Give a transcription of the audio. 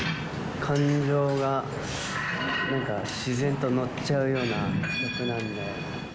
感情がなんか、自然と乗っちゃうような曲なんで。